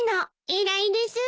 偉いです。